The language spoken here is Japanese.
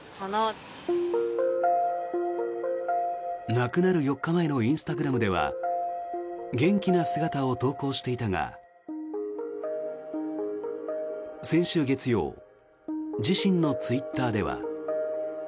亡くなる４日前のインスタグラムでは元気な姿を投稿していたが先週月曜自身のツイッターでは。